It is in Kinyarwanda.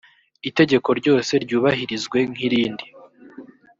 itegeko ryose ryubahirizwe nkirindi.